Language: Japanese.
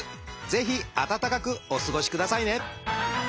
ぜひ温かくお過ごしくださいね！